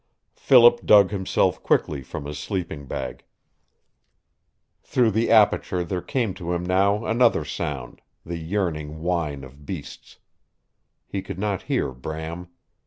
Philip dug himself quickly from his sleeping bag. Through the aperture there came to him now another sound, the yearning whine of beasts. He could not hear Bram.